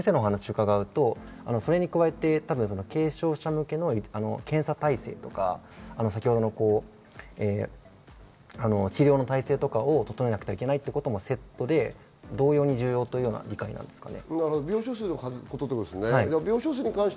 それに加えて軽症者向けの検査体制とか、治療の体制とかを整えなくてはいけないということもセットで同様に重要という理解なんですかね。